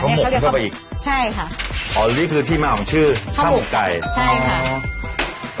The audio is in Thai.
หมกมันเข้าไปอีกใช่ค่ะอ๋อนี่คือที่มาของชื่อข้าวหมกไก่ใช่ค่ะ